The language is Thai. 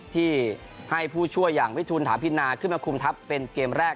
ที่ให้ผู้ช่วยอย่างวิทูลถามพินาขึ้นมาคุมทัพเป็นเกมแรก